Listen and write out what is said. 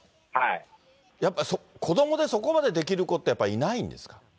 子どもでそこまでできる子って、やっぱいないんですか。